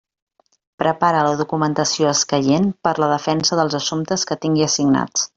Prepara la documentació escaient per a la defensa dels assumptes que tingui assignats.